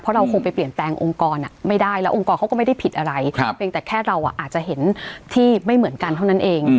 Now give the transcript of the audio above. เราคงไปเปลี่ยนแปลงองค์กรไม่ได้แล้วองค์กรเขาก็ไม่ได้ผิดอะไรเพียงแต่แค่เราอาจจะเห็นที่ไม่เหมือนกันเท่านั้นเอง